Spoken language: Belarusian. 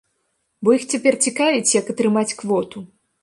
Бо іх цяпер цікавіць, як атрымаць квоту.